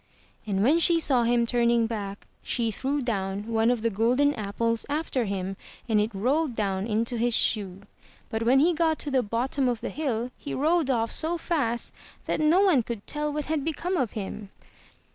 '' And when she saw him turning back, she threw down one of the golden apples after him, and it rolled down into his shoe. But when he got to the bottom of the hill he rode off so fast that no one could tell what had become of him.